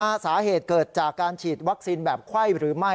สาเหตุเกิดจากการฉีดวัคซีนแบบไข้หรือไม่